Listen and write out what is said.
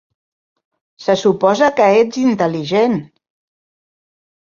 Se suposa que ets intel·ligent!